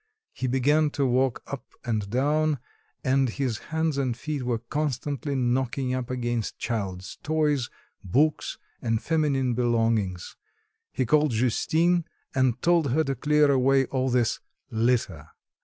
He began to walk up and down, and his hands and feet were constantly knocking up against child's toys, books and feminine belongings; he called Justine and told her to clear away all this "litter."